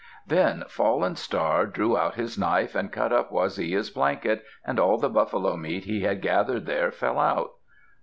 Then Fallen Star drew out his knife and cut up Waziya's blanket, and all the buffalo meat he had gathered there fell out.